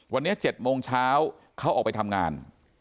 วันนี้๗โมงเช้าเขาออกไปทำงาน